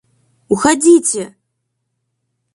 – Уходите!..